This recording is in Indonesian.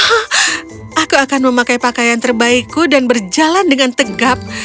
ah aku akan memakai pakaian terbaikku dan berjalan dengan tegap